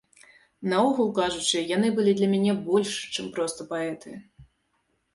Наогул кажучы, яны былі для мяне больш, чым проста паэты.